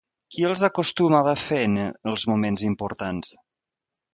Qui els acostumava a fer en els moments importants?